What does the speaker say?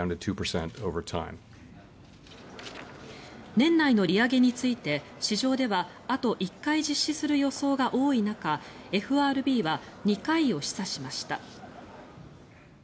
年内の利上げについて市場ではあと１回実施する予想が多い中ＦＲＢは２回を示唆しました。